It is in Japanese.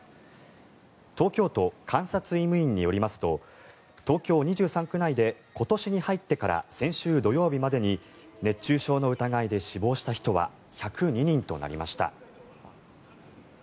東京都監察医務院によりますと東京２３区内で今年に入ってから先週土曜日までに熱中症の疑いで死亡した人は１０２人となりました。